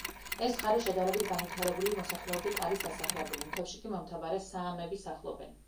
ეს მხარე შედარებით განვითარებული მოსახლეობით არის დასახლებული, მთებში კი მომთაბარე საამები სახლობენ.